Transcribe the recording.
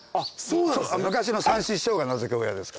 昔の三枝師匠が名付け親ですから。